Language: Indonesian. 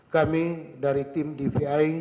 kami dari tim dvi